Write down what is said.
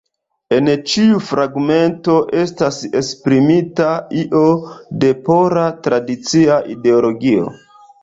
En ĉiu fragmento estas esprimita io de pola tradicia ideologio.